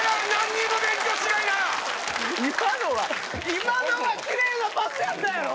今のはキレイなパスやったやろ？